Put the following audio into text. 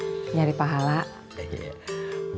gue juga pengen nyari pahala bareng lu